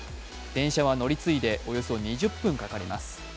電車は乗り継いで、およそ２０分かかります。